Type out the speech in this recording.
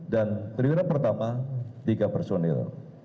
dan pemirah pertama tiga personil